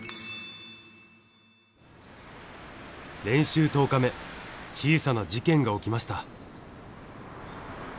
練習１０日目小さな事件が起きました。